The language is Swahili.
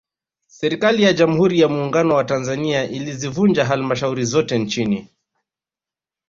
Serikali ya Jamhuri ya Muungano wa Tanzania ilizivunja Halmashauri zote nchini